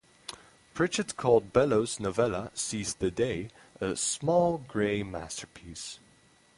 Pritchett called Bellow's novella "Seize the Day" a "small gray masterpiece.